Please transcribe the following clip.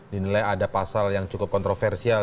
dinilai ada pasal yang cukup kontroversial